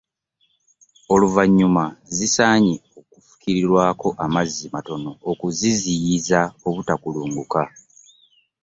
Oluvannyuma, zisanye okufukirirwako amazzi matono okuziziyiza obutakulugguka.